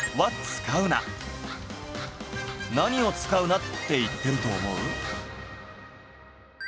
何を使うなって言ってると思う？